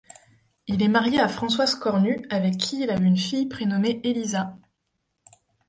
Il est marié à Françoise Cornu, avec qui il a une fille prénommée Élisa.